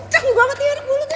cak nunggu amat ya aduh gulung dah